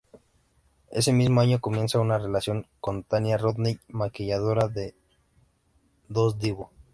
Ese mismo año comienza una relación con Tanya Rodney maquilladora de Il Divo.